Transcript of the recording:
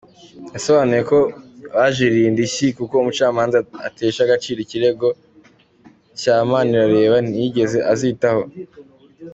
Yasobanuye ko bajuririye indishyi kuko umucamanza atesha agaciro ikirego cya Manirareba ntiyigeze azitaho.